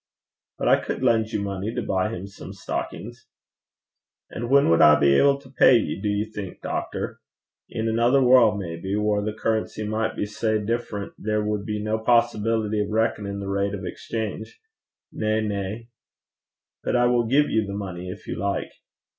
'But I could lend you the money to buy him some stockings.' 'An' whan wad I be able to pay ye, do ye think, doctor? In anither warl' maybe, whaur the currency micht be sae different there wad be no possibility o' reckonin' the rate o' exchange. Na, na.' 'But I will give you the money if you like.'